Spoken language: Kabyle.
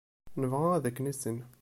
Nebɣa ad k-nissin.